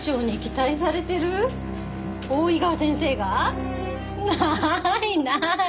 大井川先生が？ないない！